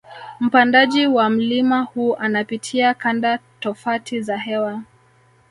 Mpandaji wa mlima huu anapitia kanda tofati za hewa